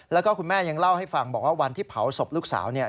แล้วก็คุณแม่ยังเล่าให้ฟังบอกว่าวันที่เผาศพลูกสาวเนี่ย